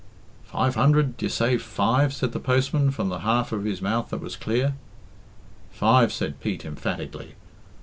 "Five hundred d'ye say five" said the postman from the half of his mouth that was clear. "Five," said Pete emphatically.